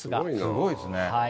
すごいですね。